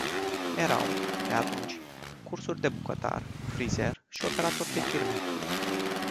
Erau, pe atunci, cursuri de bucătar, frizer și operator de firme.